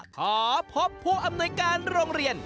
ขอพบผู้อำนวยการโรงเรียน